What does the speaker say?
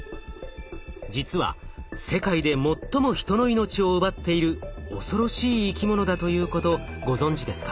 実は世界で最も人の命を奪っている恐ろしい生き物だということご存じですか？